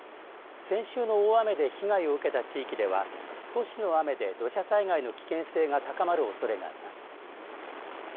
先週の大雨で被害を受けた地域では少しの雨で土砂災害の危険性が高まるおそれがあります。